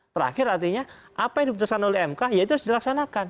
terakhir artinya apa yang diputuskan oleh mk ya itu harus dilaksanakan